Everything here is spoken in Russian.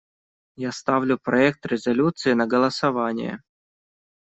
Я ставлю проект резолюции на голосование.